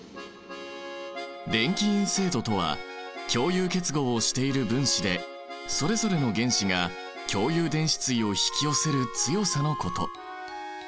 電気陰性度とは共有結合をしている分子でそれぞれの原子が共有電子対を引き寄せる強さのこと。